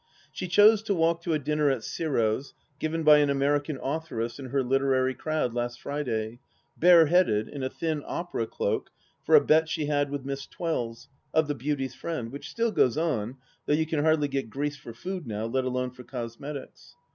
She chose to walk to a dinner at Giro's, given by an American authoress and her literary crowd last Friday, bareheaded, in a thin opera cloak, for a bet she had with Miss Twells, of The Beauty's Friend (which still goes on, though you can hardly get grease for food, now, let alone for cosmetics).